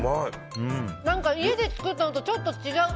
何か家で作ったのとちょっと違う。